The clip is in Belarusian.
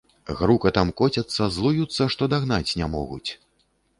Грукатам коцяцца, злуюцца, што дагнаць не могуць.